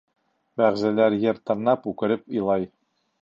Бәғзеләр ер тырнап үкереп илай.